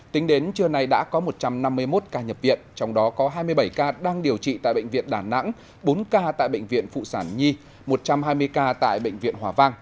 tính đến trưa nay đã có một trăm năm mươi một ca nhập viện trong đó có hai mươi bảy ca đang điều trị tại bệnh viện đà nẵng bốn ca tại bệnh viện phụ sản nhi một trăm hai mươi ca tại bệnh viện hòa vang